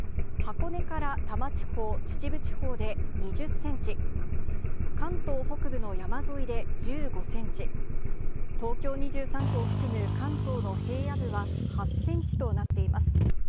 箱根から多摩地方、秩父地方で２０センチ、関東北部の山沿いで１５センチ、東京２３区を含む関東の平野部は８センチとなっています。